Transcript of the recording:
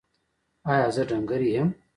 ایا زه ډنګر یم؟